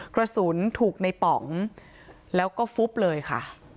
กระสุนถูกในป๋องแล้วก็ฟุบเลยค่ะ